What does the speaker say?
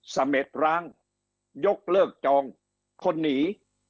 เสม็ดร้างยกเลิกจองคนหนี